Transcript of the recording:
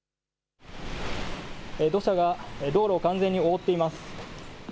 土砂が道路を完全に覆っています。